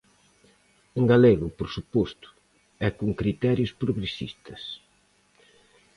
En galego, por suposto, e con criterios progresistas.